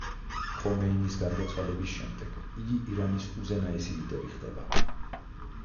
ხომეინის გარდაცვალების შემდეგ იგი ირანის უზენაესი ლიდერი ხდება.